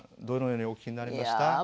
どのようにお聴きになりました？